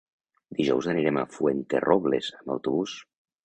Dijous anirem a Fuenterrobles amb autobús.